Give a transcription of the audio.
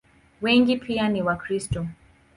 Wengi pia ni Wakristo.